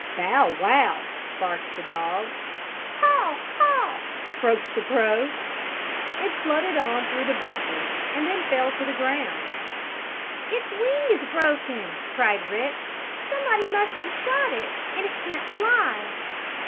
"Bow wow!" barked the dog. "Haw! Haw!" croaked the crow. It fluttered on through the bushes and then fell to the ground. "Its wing is broken!" cried Rick. "Somebody must have shot it, and it can't fly!"